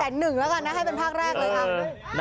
หนึ่งแล้วกันนะให้เป็นภาคแรกเลยค่ะ